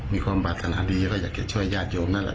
มีความปรารถนาดีก็อยากจะช่วยญาติโยมนั่นแหละ